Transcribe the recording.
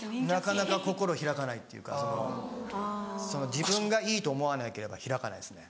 自分がいいと思わなければ開かないですね。